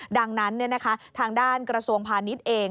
ดังนั้นทางด้านกระทรวงพาณิชย์เอง